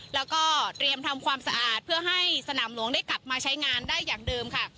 แล้วก็เตรียมทำความสะอาดเพื่อให้สนามหลวงได้กลับมาใช้งานได้อย่างเดิมค่ะ